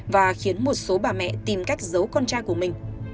và khiến một số bà mẹ tìm cách giấu con trai của mình